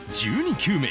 １２球目